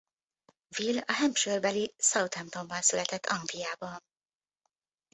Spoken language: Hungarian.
Will a Hampshire-beli Southamptonban született Angliában.